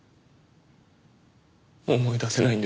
思い出せないんです。